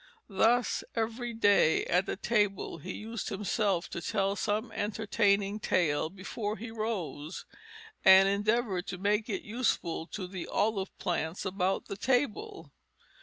Thus every day at the table he used himself to tell some entertaining tale before he rose; and endeavor to make it useful to the olive plants about the table.